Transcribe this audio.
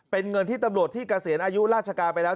เป็นเงินที่ตำรวจที่เกษียณอายุราชการไปแล้ว